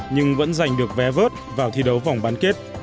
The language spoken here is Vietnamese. nhưng vẫn giành được vé vớt vào thi đấu vòng bán kết